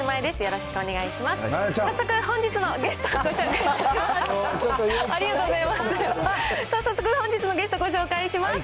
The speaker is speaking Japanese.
早速、本日のゲストご紹介します。